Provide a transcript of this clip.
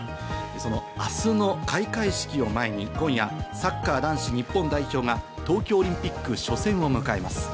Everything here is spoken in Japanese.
その明日の開会式を前に今夜、サッカー男子日本代表が東京オリンピック初戦を迎えます。